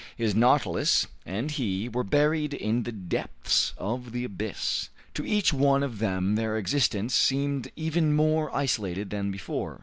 His "Nautilus" and he were buried in the depths of the abyss. To each one of them their existence seemed even more isolated than before.